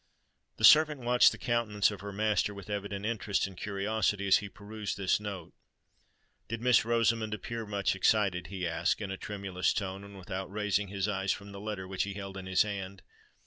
The servant watched the countenance of her master with evident interest and curiosity as he perused this note. "Did Miss Rosamond appear much excited?" he asked, in a tremulous tone, and without raising his eyes from the letter which he held in his hand.